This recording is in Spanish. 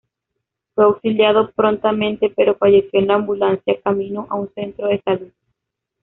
Fue auxiliado prontamente, pero falleció en la ambulancia, camino a un centro de salud.